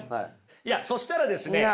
いやそしたらですね